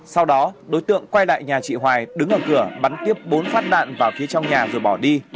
sau đó đối tượng quay lại nhà chị hoài đứng ở cửa bắn tiếp bốn phát đạn vào phía trong nhà rồi bỏ đi